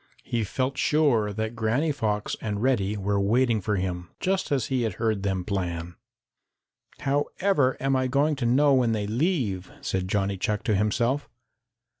He felt sure that Granny Fox and Reddy were waiting for him, just as he had heard them plan. "However am I going to know when they leave?" said Johnny Chuck to himself.